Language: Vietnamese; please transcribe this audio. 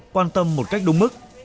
quan tâm một cách đúng mức